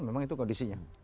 memang itu kondisinya